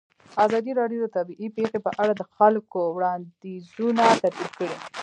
ازادي راډیو د طبیعي پېښې په اړه د خلکو وړاندیزونه ترتیب کړي.